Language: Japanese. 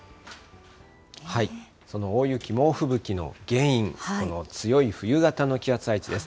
その大雪、猛吹雪の原因、この強い冬型の気圧配置です。